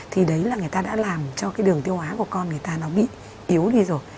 thì đấy là người ta đã làm cho cái đường tiêu hóa của con người ta nó bị yếu đi rồi